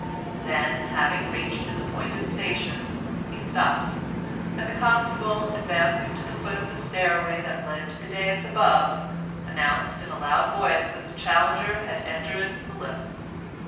Then, having reached his appointed station, he stopped, and the Constable, advancing to the foot of the stair way that led to the dais above, announced in a loud voice that the challenger had entered the lists.